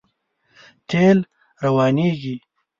تېل روانېږي.